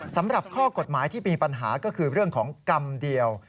สำหรับข้อกฎหมายที่มีปัญหาก็คือเรื่องของกรรมเดียว